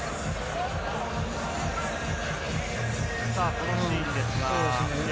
このシーンです。